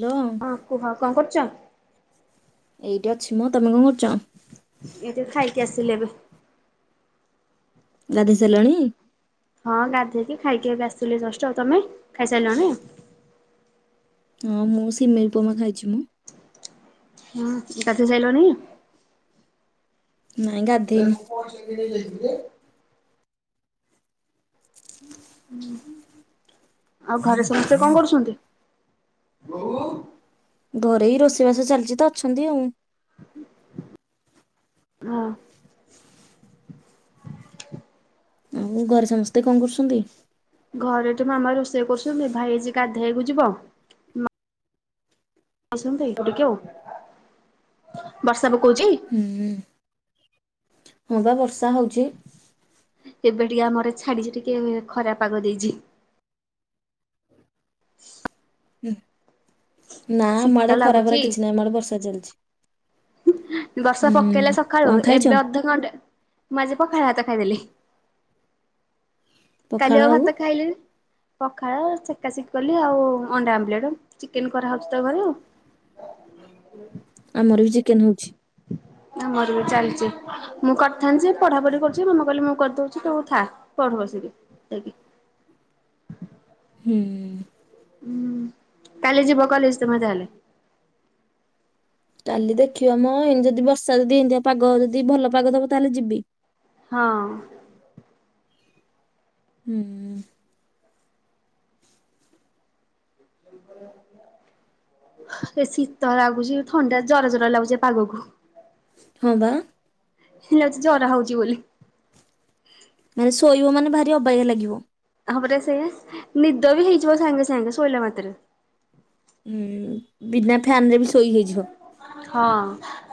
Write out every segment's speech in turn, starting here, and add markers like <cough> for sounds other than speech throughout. Hello. ହଁ କୁହ କଣ କରୁଚ? ଏଇଟି ଅଛି ମ ତମେ କଁ କରୁଚ? ଏଇ ତ ଖାଇକି ଆସିଲି ଏବେ। ଗାଧେଇ ସାରିଲଣି? ହଁ ଗାଧେଇକି ଖାଇକି ଏଵେ ଆସିଲି ଜଷ୍ଟ ଆଉ ତମେ ଖାଇସାଇଲଣି? ହଁ, ମୁଁ ସିମେଇ ଉପମା ଖାଇଛି ମୁଁ। ହଁ ଗାଧେଇ ସାଇଲଣି? ନାଇଁ ଗାଧେଇନି <unintelligible> ଆଉ ଘରେ ସମସ୍ତେ କଣ କରୁଛନ୍ତି? ଘରେ ଏଇ ରୋଷେଇବାସ ଚାଲିଚି ତ ଅଛନ୍ତି ଆଉ। ହ। ଆଉ ଘରେ ସମସ୍ତେ କଣ କରୁଛନ୍ତି? ଘରେ ତ ମାମା ରୋଷେଇ କରୁଛନ୍ତି, ଭାଇଜି ଗାଧେଇବାକୁ ଯିବ। ଆସନ୍ତି ଟେକିଉ ଆଉ ବର୍ଷା ପକୋଉଚି। ହୁଁ ହୁଁ ହଁ ପା ବର୍ଷା ହଉଛି। ଏବେ ଟିକେ ଆମଆଡେ ଛାଡିଛି ଟିକେ ଖରା ପାଗ ଦେଇଛି। <inaudible> ନା ଆମ ଶୀତ ଆଡେ ଖରା ଲାଗୁଛି ଫରା କିଛି ନାହିଁ ଆମ ଆଡେ ବର୍ଷା ଚାଲିଛି। ବର୍ଷା ହୁଁ ପକେଇଲା କଣ ସକାଳୁ ଖାଇଛ ଏବେ ଅଧଘଣ୍ଟାଏ ମୁଁ ଆଜି ପଖାଳ ଭାତ ଖାଇଦେଲି। କାଲି ଆଉ ଭାତ ଖାଇଲିନି। ପଖାଳ ସେକାସେକି କଲି ଆଉ ଅଣ୍ଡା ଆମ୍ବଲେଟ ଚିକେନ କରାହଉଚିତ ଘରେ। <inaudible> ଆମର ବି ଚିକେନ ହେଉଛି। ଆମର ବି ଚାଲିଛି। ମୁଁ କରିଥାନ୍ତି ଯେ ପଢାପଢି କରୁଛି ମାମା କହିଲେ ମୁଁ କରିଦଉଛି ତୁ ଥା ପଢ ବସିକି ଯାଇକି। ହୁଁ। ହୁଁ ତାହାଲେ ଯିବ କଲେଜ ତୁମେ‌ ତାହେଲେ। କାଲି ଦେଖିବା ମ ଏମିତି ଯଦି ବର୍ଷା ଯଦି ଏମତିଆ ପାଗ ଯଦିଭଲ ପାଗ ଦବ ତାହେଲେ ଯିବି। ହଁ। ହୁଁ। ଏ ଶୀତ ଲାଗୁଛି ଥଣ୍ଡା ଜର ଜର ଲାଗୁଛିଏ ପାଗକୁ। ହଁ ବା। ମତେ ଲାଗୁଚି ଜ୍ୱର ହଉଛି ବୋଲି। ମାନେ ଶୋଇବ ମାନେ ଭାରି ଅବାଗୀଆ ଲାଗିବ। ହଁ ପରା ସେଇଆ ନିଦ ବି ହେଇଯିବ ସାଙ୍ଗେ ସାଙ୍ଗେ ଶୋଇଲା ମାତ୍ରେ। ଉଁ ବିନା ଫ୍ୟାନ ରେ ବି ଶୋଇ ହେଇଯିବ। ହଁ।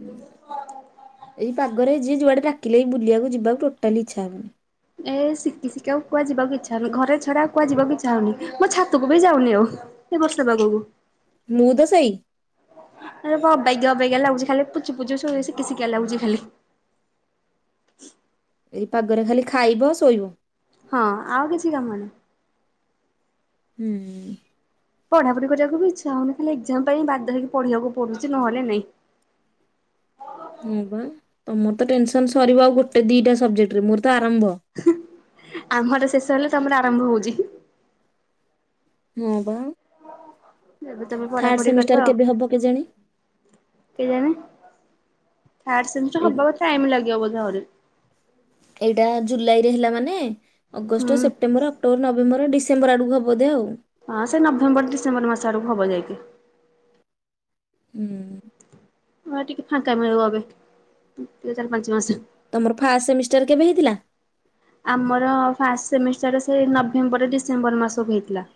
ହଁ ଏଇ ପାଗରେ ଯିଏ ଯୁଆଡେ ଡାକିଲେ ବୁଲିବାକୁ ଯିବାକୁ ଟୋଟାଲି ଇଚ୍ଛା ହବନି। ଏ ଶିକି ଶିକାକୁ କୁଆଡେ ଯିବାକୁ ଇଚ୍ଛା ହଉନି ଘରେ ଛଡା କୁଆଡେ ଯିବା ଇଚ୍ଛା ହଉନି ମୁଁ ଛାତକୁ ବି ଯାଉନି ଆଉ ଏ ବର୍ଷା ପାଗକୁ। ମୁଁ ତ ସେଇ। ଆ ଅବଗ୍ୟା ଅବଗ୍ୟା ଲାଗୁଚି ଖାଲି ପୁଚୁ ପୁଚୁ ସୁରୁ ଶିକୁ ଶିକା ଲାଗୁଛି ଖାଲି। ଏଇ ପାଗରେ ଖାଲି ଖାଇବ ଶୋଇବ। ହଁ ଆଉ କିଛି କାମ ନାହିଁ। ହୁଁ। ପଢ଼ା ପଢି କରିବାକୁ ବି ଇଚ୍ଛାହଉନି ଖାଲି ଏକ୍ଜାମ ପାଇଁ ବାଧ୍ୟ ହେଇକି ପଢ଼ିବାକୁ ପଡୁଛି ନହେଲେ ନାଇଁ। ହଁ ବା ତମର ତ ଟେନସନ ସରିବ ଆଉ ଗୋଟେ ଦିଟା ସବଜେକ୍ଟରେ ମୋର ତ ଆରମ୍ଭ। ହୁଁ ଆମର ଶେଷ ହେଲେ ତମର ଆରମ୍ଭ ହଉଛି। ହଁ ବା ଏବେ ତମେ ଥାର୍ଡ ପଢାପଢି କରିବ ସେମିଷ୍ଟାର ଆଉ। କେବେ ହବ କେଜାଣି? କେଜାଣି ଥାଡ୍ ସେମିଷ୍ଟାର ଏଇ ହବାକୁ ଟାଇମ୍ ଲାଗିବ ବୋଧେ ଆହୁରି। ଏଇଟା ଜୁଲାଇରେ ହେଲା ମାନେ ଅଗଷ୍ଟ ସେପ୍ଟ ହୁଁ। ସେପ୍ଟେମ୍ବର ଅକ୍ଟୋବର ନଭେମ୍ବର ଡିସେମ୍ବର ଆଡ଼କୁ ହେବ ବୋଧେ। ହଁ ସେ ନଭେମ୍ବର ଡିସେମ୍ବର ମାସ ଆଡକୁ ହବ ଯାଇକି। ହୁଁ। ହଁ ଟିକିଏ ଫାଙ୍କା ମିଳିବ ଅବେ ଦୁଇ ଚାରି ପାଞ୍ଚ ମାସ। ତମର ଫାଷ୍ଟ ସେମିଷ୍ଟର କେବେ ହେଇଥିଲା? ଆମର ଫାଷ୍ଟ ସେମିଷ୍ଟାର ସେ ନଭେମ୍ବର ଡିସେମ୍ବର ମାସକୁ ହେଇଥିଲା।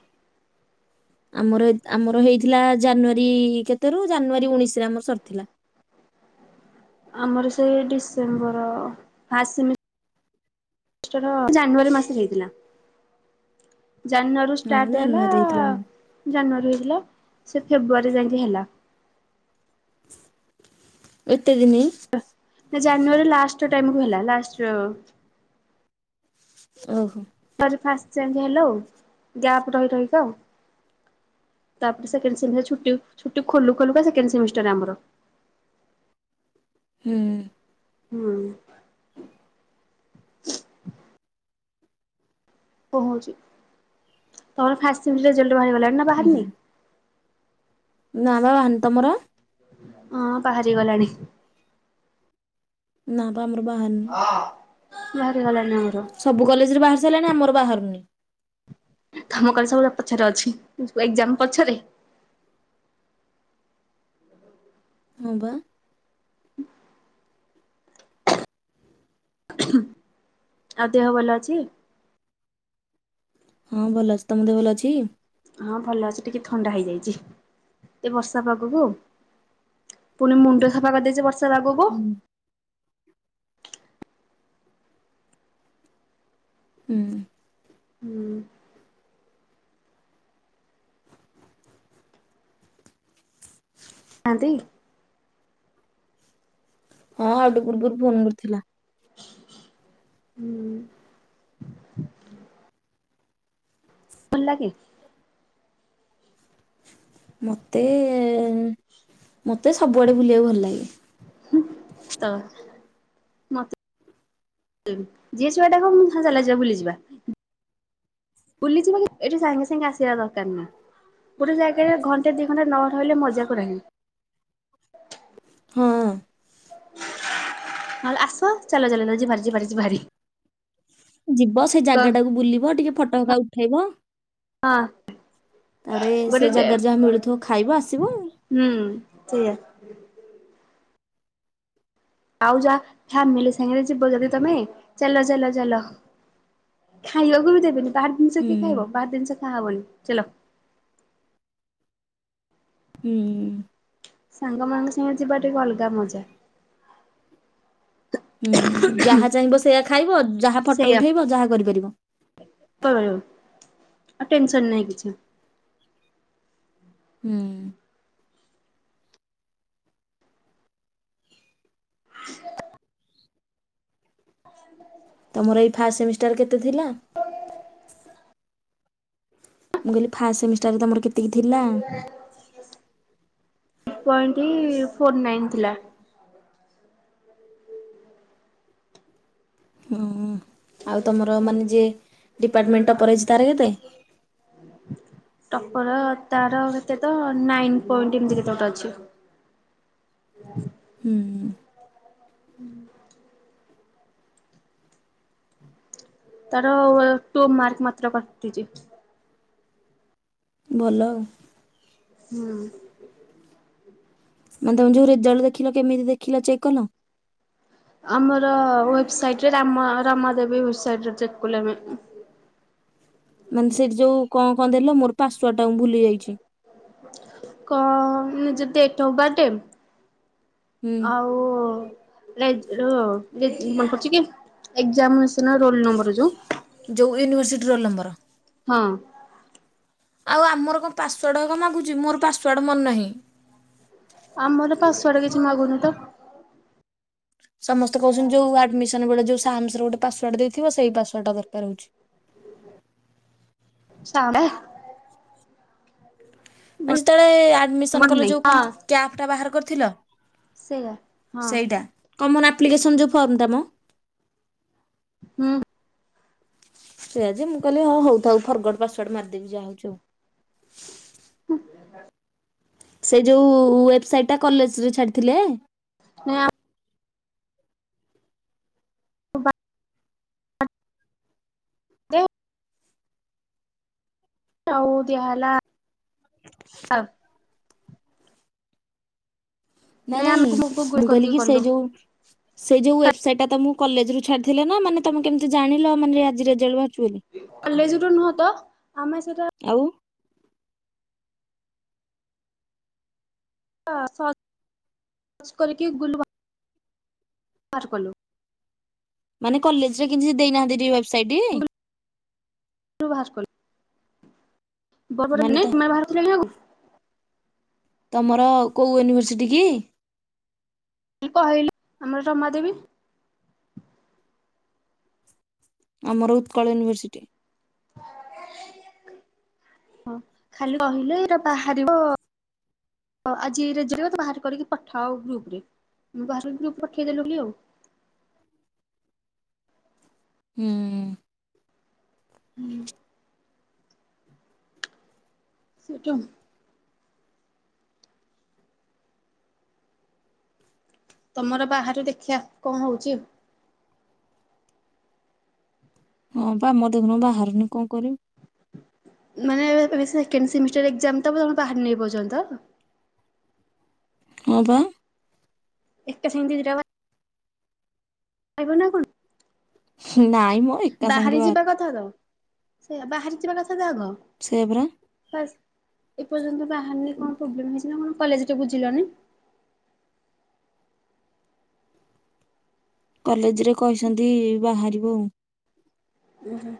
ଆମର ଆମର ହେଇଥିଲା ଜାନୁଆରୀ କେତେ ରୁ ଜାନୁଆରୀ ଉଣେଇଶିରେ ଆମର ସରିଥିଲା। ଆମର ସେଇ ଡିସେମ୍ବର ଫାଷ୍ଟ୍ ସେମ୍ ଜାନୁଆରୀ ମାସ ହୋଇଥିଲା ଜାନୁଆରୀ ରୁ ନା ମୁଁ ଷ୍ଟାଟ ହେଲା ଜାଣିନୁ ଦେଇଥିଲା ଆମ ଜାନୁଆରୀ ହେଇଥିଲା ସେ ଫେବୃଆରୀ ଯାଇକି ହେଲା। ଏତେ ଦିନି ସେ ଜାନୁଆରୀ ଲାଷ୍ଟ ଟାଇମକୁ ହେଲା ଲାଷ୍ଟ। ଓହୋ। ଫାଷ୍ଟ ଟାଇମ୍ ହେଲୋ ଗ୍ଯାପ ରହି ରହିକା ଆଉ ତାପରେ ସେକେଣ୍ଡ ସେମିଷ୍ଟର୍ ଛୁଟି ଛୁଟି ଖୋଲୁ ଖୋଲୁକା ସେକେଣ୍ଡ ସେମିଷ୍ଟାର ଆମର ହୁଁ। ହୁଁ। କହୁଛି ତମର ଫାଷ୍ଟ୍ ସେମିଷ୍ଟାର ରେଜଲ୍ଟ ବାହାରିଗଲାଣି ନା ହୁଁ। ବାହାରନି? ନା ବା ବାହାରିନି ତମର? ହଁ ବାହାରି ଗଲାଣି। ନା ପା ଆମର ବାହାରିନି। ଆଃ ବାହାରି ଗଲାଣିି ଆମର। ସବୁ କଲେଜରେ ବାହାରି ସାରିଲାଣି, ଆମର ବାହାରୁନି। ତମ କଲେଜ୍ ସବୁ ପଛରେ ଅଛି ଏକ୍ଜାମ ପଛରେ ହଁ ପା। ଆଉ ଦେହ ଭଲ ଅଛି? ହଁ ଭଲ ଅଛି। ତମ ଦେହ ଭଲ ଅଛି? ହଁ ଭଲ ଅଛି ଟିକେ ଥଣ୍ଡା ହେଇଯାଇଛି ଏଇ ବର୍ଷା ପାଗକୁ? ପୁଣି ମୁଣ୍ଡ ସଫା କରିଦେଇଛି, ବର୍ଷା ପାଗକୁ। ହୁଁ। ହୁଁ। ହୁଁ। ନାହାନ୍ତି। ହଁ ଆଉଟେ ପୂର୍ବରୁ ଫୋନ କରିଥିଲା। ହୁଁ। ଭଲ ଲାଗେ। ମତେ ମତେ ସବୁଆଡେ ବୁଲିବାକୁ ଭଲ ଲାଗେ। <inaudible> ମତେ ଯିଏ ଯୁଆଡେ ଡାକ। ମୁଁ ଜାଲା ଯିବା ବୁଲିଯିବା। ବୁଲିଯିବ ବା। ଏଠି ସାଙ୍ଗେ ସାଙ୍ଗେ ଆସିବା ଦରକାର ନାହିଁ। ଗୋଟେ ଜାଗାରେ ଘଣ୍ଟା ଦି ଘଣ୍ଟା ନ ରହିଲେ, ମଜା କରି ହବନି। ହଁ। <unintelligible> ନହେଲେ ଆସ। ଚାଲ ଚାଲ ର ବାହାରିଛି। ବାହାରିଛି ଭାରି। ଯିବ। ସେଇ ହଁ ଜାଗା ଟାକୁ ବୁଲିବ। ଟିକେ ଫଟୋ ଫକା ଉଠେଇବ। ହଁ। ତାପରେ, ସେଇ ଜାଗାରେ ଯାହା ମିଳୁଥିବ ଖାଇବ ଆସିବ। ହୁଁ। ସେଆ। ଆଉ ଯାହା, ଫାମିଲି ସାଙ୍ଗରେ ଯିବ ଯଦି। ତମେ ଚାଲ ଚାଲ ଚାଲ। ଖାଇବାକୁ ବି ଦେବେନି। ବାହାର ଜିନିଷ ହୁଁ କିଏ ଖାଇବ? ବହାର ଜିନିଷ ଖାହବ ବୋଲି ଚାଲ। <inaudible> ସାଙ୍ଗମାନଙ୍କ ସାଙ୍ଗ ଯିବା, ଟିକେ ଅଲଗା ମଜା। ହୁଁ। ଯାହା ଚାହିଁବ, ସେଇଆ ଖାଇବ। ଯାହା ଫଟୋ ସେଇଆ ଉଠେଇବ। ଯାହା କରିପାରିବ। ଆଉ ଟେନସନ ନାହିଁ କିଛି। <inaudible> ତୁମର ଏଇ ଫାଷ୍ଟ ସେମିଷ୍ଟାର କେତେ ଥିଲା? ମୁଁ କହିଲି, ଫାଷ୍ଟ ସେମିଷ୍ଟାରରେ ତମର କେତିକି ଥିଲା? ପଏଣ୍ଟ ଫୋର ନାଇନ୍ ଥିଲା। ହଁ। ଆଉ ତମର, ମାନେ ଯିଏ ଡିପାର୍ଟମେଣ୍ଟ ଟପର ହେଇ। ତାର କେତେ? ଟପର। ତାର କେତେ ତ? ନାଇନ ପଏଣ୍ଟ ଏମତି କେତେ ଗୋଟେ ଅଛି। <inaudible> <inaudible> ତାର, ଟୁ ମାର୍କ ମାତ୍ର କଟିଛି। ଭଲ। ହୁଁ। ମାନେ, ତମେ ଯୋଉ ରେଜଲ୍ଟ ଦେଖିଲ। କେମିତି ଦେଖିଲ? ଚେକ କଲ। ଆମର ୱେବସାଇଟରେ। ରାମ, ରାମ ଦେବୀ ୱେବସାଇଟରେ ଚେକ୍ କଲୁ ଆମେ। ମାନେ, ସେଠି ଯୋଉ କଣ, କଣ ଦେଲେ। ମୋର ପାସୁଆଡ ଟାକୁ ଭୁଲି ଯାଇଛି। କ ନିଜ ଡେଟ୍ ଅଫ ବାର୍ଥ। ହୁଁ। ଆଉ <unintelligible> ମନ କରୁଛି କି ଏକ୍ସାମ୍। ରୋଲ ନମ୍ବର ଯୋଉ। ଯେଉଁ ୟୁନିଭର୍ସିଟିର ନ। ହଁ। ଆଉ, ଆମର କଣ ପାସୱାର୍ଡ଼ କଣ ମାଗୁଛି? ମୋର ପାସୱାର୍ଡ଼ ମୋର ମନ ନାହିଁ। ଆମର ପାସୱାର୍ଡ କିଛି ମାଗୁନି ତ ସମସ୍ତେ କହୁଛନ୍ତି ଯେୋଉ ଆଡମିସନ ବେଳେ ଯୋଉ ସାଇନ୍ସ ର ଗୋଟେ ପାସୱାର୍ଡ ଦେଇଥିବ ସେଇ ପାସୱାର୍ଡଟା ଦରକାର ହଉଛି। <inaudible> ମାନେ ଯେତେବେଳେ ଆଡ଼ମିସନ୍ ମନେ କଲେ ନାହିଁ ଯେଉଁ ହଁ କ୍ୟାପ୍ଟା ବାହାର କରିଥିଲ ସେଇଆ <inaudible> ହଁ ସେଇଟା କମନ ଆପ୍ଲିକସନ ଯୋଉ ଫର୍ମ ତମ ହୁଁ। ସେଇଆ ଯେ ମୁଁ କିଲ ହଁ ହଉ ଫରୱାର୍ଡ ପାସୱାର୍ଡ ମାରିେବି ଯହାାଉଉ ଆଉ <inaudible> ସେ ଯେଉ ୱେବସାଇଟ୍ଟା କଲେଜରେ ଛାଡ଼ିଥିଲେ <unintelligible> <unintelligible> <unintelligible> ହଉ ଦି ହେଲା ନାଇଁ ନାଇଁ ଆମେ ଗୁଗୁଲ ମୁଗଲ କରିକି କିି ସେ କଲୁ ଯୋଉ ସେ ଯୋଉ ୱେବସାଇଟା ତମୁ କଲେଜ୍ ରୁ ଛାଡ଼ିଥିଲେ ନା ମାନେ ତମେ କେମତି ଜାଣିଲ ମାନେ ଆଜି ରେଜାଲ୍ଟୁ ଭାରୁଚି ବୋଲି? କଲେଜ୍ ରୁ ତ ନୁହଁ ତ ଆମେ ସେଟା ଆଉ? ଅ ସ ସ୍ କରିକି ଗୁଲ ବା ଆଠୁ କଲୁ। ମାନେ କଲେଜ୍ ରେ କିଛି ଦେଇନାହାନ୍ତି ଟି ୱେବସାଇଟି? ଟୁ ବାହାର କଲୁ ବ ବଡ଼ <unintelligible> ମାନେ ତ ଲେକ୍ନାଇ ବାହାରୁଥୁଲେ କି ଆଗୁରୁ? ତମର କୋଉ ୟୁନିଭର୍ସିଟି କି? କହିଲୁ ଆମର ଜମା ଦେବୀ ଆମର ଉତ୍କଳ ୟୁନିଭର୍ସିଟି ହଁ ଖାଲି କହିଲେ ଏଟା ବାହାରିବ। ହ ଆଜି ଏଇ ରେ ଜରିଅ ତ ବାହାର କରିକି ପଠାଅ ଗ୍ରୁପ୍ ରେ ଉଁ ବାହାର ଗ୍ରୁପ୍ ପଠେଇ ଦେଲୁ ଲି ଆଉ। ହୁଁ। ହୁଁ। ସେଟୁ ତମର ବାହାରୁ ଦେଖିଆ କଁ ହଉଚି। ହଁ ପା ମୋ ଦେଖୁନୁ ବାହାରୁନି କଁ କରିଉ? ମାନେ ଏବେ ଏବେ ସେକେଣ୍ଡ୍ ସେମିଷ୍ଟାର୍ ଏକ୍ଜାମ୍ ତମ ତମ ବାହାର ନେଇ ଏପର୍ଯନ୍ତ? ହଁ ପା। ଏକା ସାଙ୍ଗେ ଦି ଦିଟା ବା ଆଇବ ନା କଣ? ନାଇଁ ମ। ଏକା ସାଙ୍ଗେ ବାହାରି ଯିବା ବାହାରୁଛି। କଥା ତ ସେଇଆ ବାହାରି ଯିବା କଥା ତ ଆଗ। ସେଇଆ ପରା। ହାସ୍ ଏପର୍ଯ୍ୟନ୍ତ ବାହାରିନି କଣ ପୋବ୍ଲେମ୍ ହେଇଚି ନା କଣ କଲେଜ୍ ରେ ବୁଝିଲନି। କଲେଜ୍ ରେ କହିଛନ୍ତି ବାହାରିବ ଉ। ଉଁ ହୁଁ।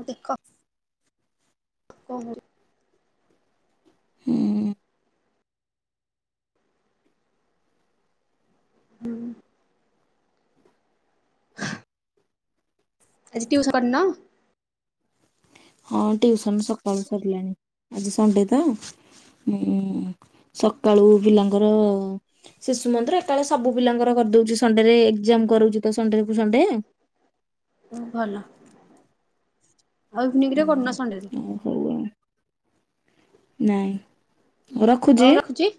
ଅ ଦେଖ କଁ ହଉ ହୁଁ। ହୁଁ। ହ ଆଜି ଟିଉସ କରିନ? ହଁ ଟିଉସନ୍ ସକାଳୁ ସରିଲାଣି ଆଜି ସଣ୍ଡେ ତ ଉଁ ସକାଳୁ ପିଲାଙ୍କର ଶିଶୁ ମନ୍ଦିର ଏକାଅଳେ ସବୁ ପିଲାଙ୍କର କରିଦୋଉଚି ସଣ୍ଡେରେ ଏକ୍ଜାମ୍ କରଉଚି ତ ସଣ୍ଡେକୁ ସଣ୍ଡେ। ଓ ଭଲ ଆଉ ଇଭିନିଂ ରେ କରୁନ ସଣ୍ଡେରେ? ହୁଁ ହଉ ଆଉ ନାଇଁ ହଉ ରଖୁଚି। ରଖୁଛି।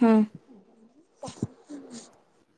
ହଁ। <inaudible>